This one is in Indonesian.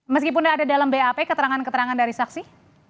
meskipun ada dalam bap keterangan keterangan dari saksi